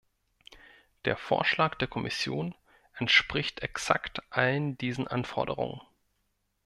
Der Vorschlag der Kommission entspricht exakt allen diesen Anforderungen.